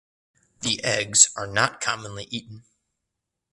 The eggs are not commonly eaten.